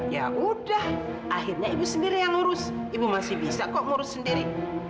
ya udah akhirnya ibu sendiri yang lurus ibu masih bisa kok ngurus sendiri